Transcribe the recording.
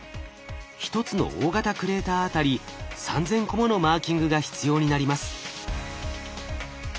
一つの大型クレーターあたり３，０００個ものマーキングが必要になります。